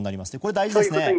大事ですね。